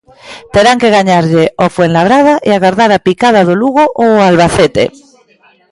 Terán que gañarlle ao Fuenlabrada e agardar a picada do Lugo ou o Albacete.